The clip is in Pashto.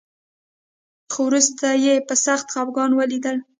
خو وروسته يې په سخت خپګان وليدل.